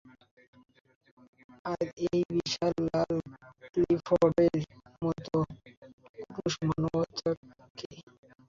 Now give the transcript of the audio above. আর ওই বিশাল লাল ক্লিফোর্ডের মত ক্রুদ্ধ দানবটা কে?